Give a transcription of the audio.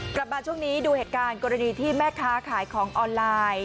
กลับมาช่วงนี้ดูเหตุการณ์กรณีที่แม่ค้าขายของออนไลน์